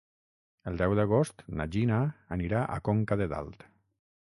El deu d'agost na Gina anirà a Conca de Dalt.